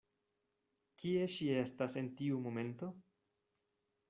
Kie ŝi estas en tiu momento?